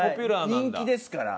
人気ですから。